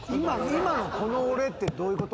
「今のこの俺」ってどういうこと？